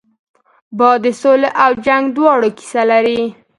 باد د سولې او جنګ دواړو کیسه لري